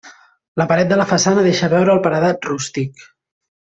La paret de la façana deixa veure el paredat rústic.